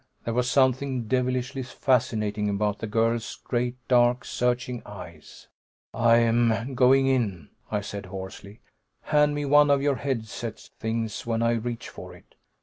There was something devilishly fascinating about the girl's great, dark, searching eyes. "I'm going in," I said hoarsely. "Hand me one of your head set things when I reach for it."